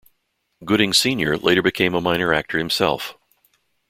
Gooding Senior later became a minor actor himself.